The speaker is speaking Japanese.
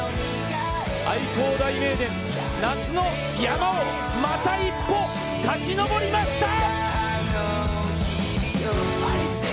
愛工大名電夏の山をまた１歩勝ち登りました！！